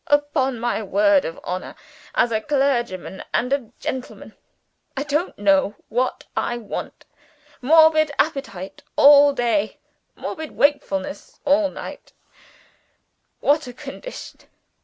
Upon my word of honor as a clergyman and a gentleman, I don't know what I want! Morbid appetite all day; morbid wakefulness all night what a condition!